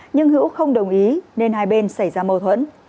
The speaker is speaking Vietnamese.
nhưng hữu không đồng ý nên hai bên xảy ra mâu thuẫn